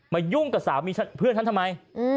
ยุ่งกับสามีเพื่อนฉันทำไม